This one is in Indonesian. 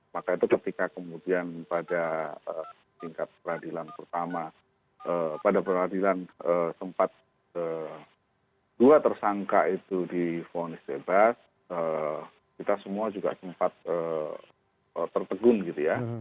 maka itu ketika kemudian pada tingkat peradilan pertama pada peradilan sempat dua tersangka itu difonis bebas kita semua juga sempat tertegun gitu ya